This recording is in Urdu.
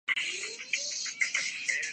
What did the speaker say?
صحافت ایک غریب پروفیشن ہوا کرتاتھا۔